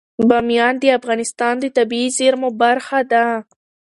بامیان د افغانستان د طبیعي زیرمو برخه ده.